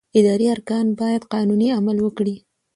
اداري ارګان باید قانوني عمل وکړي.